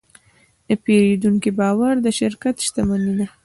د پیرودونکي باور د شرکت شتمني ده.